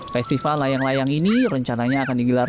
festival layang layang ini rencananya akan digelar